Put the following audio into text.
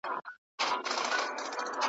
پسرلی به راته راوړي په اورغوي کي ګلونه ,